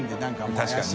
確かにね。